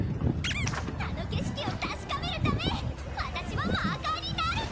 あの景色を確かめるため私はマーカーになるんだ！